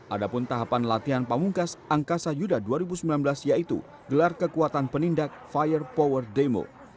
ada pun tahapan latihan pamungkas angkasa yuda dua ribu sembilan belas yaitu gelar kekuatan penindak fire power demo